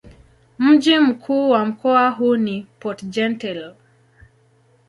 Mji mkuu wa mkoa huu ni Port-Gentil.